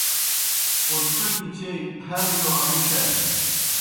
اوْرتوْکیْ چیئی ہر جوْ امُشانیْ۔